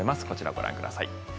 こちらをご覧ください。